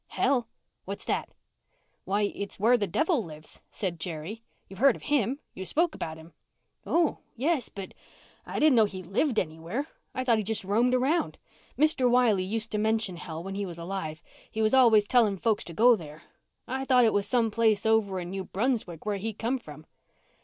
"Hell? What's that?" "Why, it's where the devil lives," said Jerry. "You've heard of him—you spoke about him." "Oh, yes, but I didn't know he lived anywhere. I thought he just roamed round. Mr. Wiley used to mention hell when he was alive. He was always telling folks to go there. I thought it was some place over in New Brunswick where he come from."